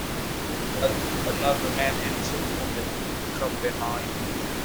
Another man and two women come behind.